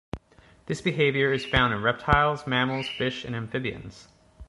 This behaviour is found in reptiles, mammals, fish and amphibians.